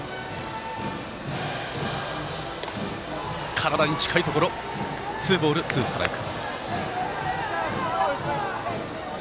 体に近いところツーボールツーストライク。